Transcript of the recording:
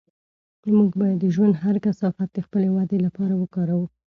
موږ باید د ژوند هر کثافت د خپلې ودې لپاره وکاروو.